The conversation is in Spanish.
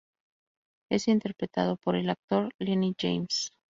Es interpretado por el actor Lennie James.